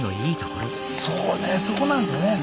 そうねそこなんですよね。